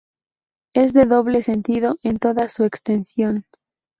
Es de doble sentido en toda su extensión.